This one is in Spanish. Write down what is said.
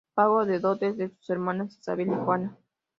Pago de dotes de sus hermanas Isabel y Juana.